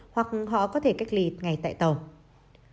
hoặc họ có thể cách ly ngay tại tàu